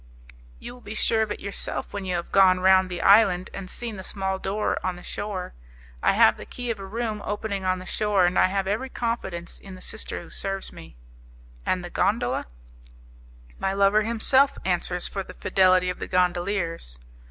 "You will be sure of it yourself when you have gone round the island and seen the small door on the shore. I have the key of a room opening on the shore, and I have every confidence in the sister who serves me." "And the gondola?" "My lover himself answers for the fidelity of the gondoliers."